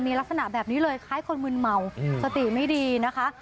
มีลักษณะแบบนี้เลยคล้ายคนมืนเมาสติไม่ดีนะคะ